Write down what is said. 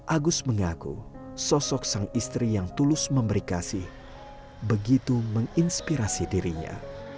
agus mengaku sosok sang istri yang tulus memberi kasih begitu menginspirasi dirinya